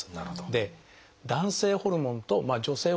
で男性ホルモンと女性ホルモン